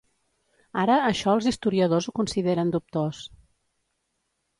Ara això els historiadors ho consideren dubtós.